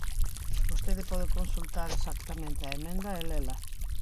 Vostede pode consultar exactamente a emenda e lela.